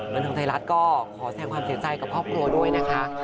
ันทึงไทยรัฐก็ขอแสงความเสียใจกับครอบครัวด้วยนะคะ